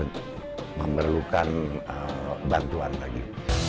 jadi kita juga akan membutuhkan bantuan lagi